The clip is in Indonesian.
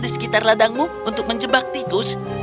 di sekitar ladangmu untuk menjebak tikus